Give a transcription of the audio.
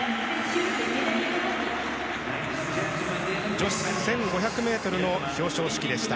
女子１５００ｍの表彰式でした。